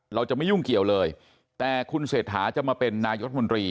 เราจะไม่ยุ่งเกี่ยวเลยแต่คุณเศรษฐาจะมาเป็นนายรัฐมนตรี